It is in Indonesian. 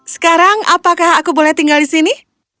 sekarang apakah aku boleh tinggal di sini